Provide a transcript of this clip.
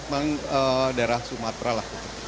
belum lihat paling banyak daerah sumatera lah